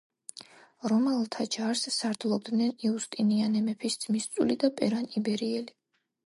რომაელთა ჯარს სარდლობდნენ იუსტინიანე მეფის ძმისწული და პერან იბერიელი.